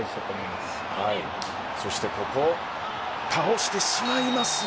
そしてここ倒してしまいます。